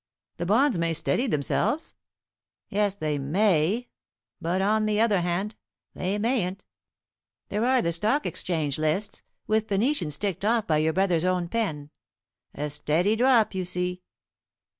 "The bonds may steady themselves." "Yes, they may; but, on the other hand, they mayn't. There are the Stock Exchange lists, with Phoenicians ticked off by your brother's own pen. A steady drop, you see.